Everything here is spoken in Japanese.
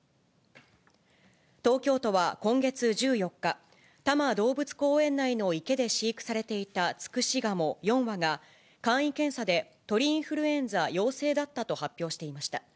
東京都は今月１４日、多摩動物公園内の池で飼育されていたツクシガモ４羽が、簡易検査で鳥インフルエンザ陽性だったと発表していました。